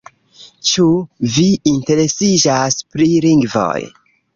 Ĉu vi interesiĝas pri lingvoj?